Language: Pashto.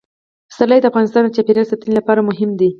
پسرلی د افغانستان د چاپیریال ساتنې لپاره مهم دي.